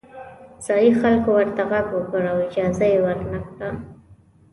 ځايي خلکو ورته غږ وکړ او اجازه یې ورنه کړه.